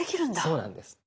そうなんです。